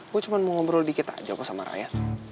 gue cuma mau ngobrol dikit aja kok sama raya